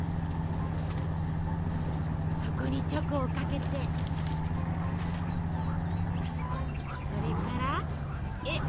そこにチョコをかけてそれからえ！